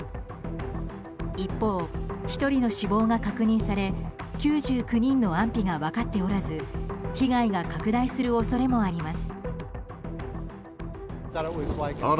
一方、１人の死亡が確認され９９人の安否が分かっておらず被害が拡大する恐れもあります。